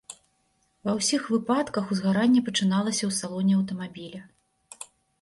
Ва ўсіх выпадках узгаранне пачыналася ў салоне аўтамабіля.